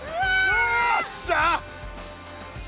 よっしゃ。